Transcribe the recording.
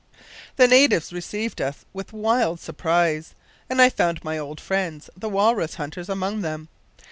"The natives received us with wild surprise, and I found my old friends, the walrus hunters, among them.